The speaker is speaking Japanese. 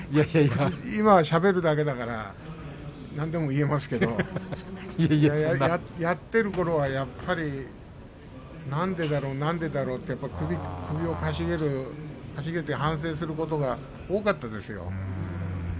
今はしゃべるだけですからなんとでも言えますけれどもやっているころはやっぱり何でだろう、何でだろうって首をかしげて反省することが多かったですよ。